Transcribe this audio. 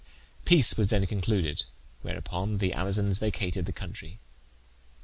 Peace was then concluded, whereupon the Amazons evacuated the country.